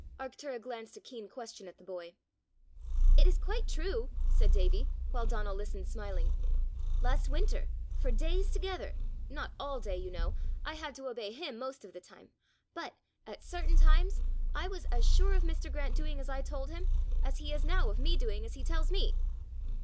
Arctura glanced a keen question at the boy. "It is quite true!" said Davie, while Donal listened smiling. "Last winter, for days together not all day, you know: I had to obey him most of the time! but at certain times, I was as sure of Mr. Grant doing as I told him, as he is now of me doing as he tells me."